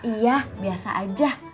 iya biasa aja